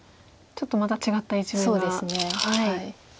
ちょっとまた違った一面が。